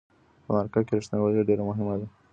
په مرکه کې رښتینولي ډیره مهمه ده.